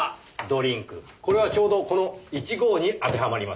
これはちょうどこの「１５」に当てはまります。